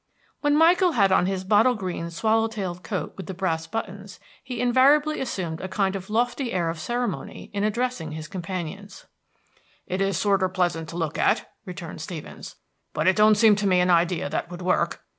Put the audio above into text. When Michael had on his bottle green swallow tailed coat with the brass buttons, he invariably assumed a certain lofty air of ceremony in addressing his companions. "It is sorter pleasant to look at," returned Stevens, "but it don't seem to me an idea that would work.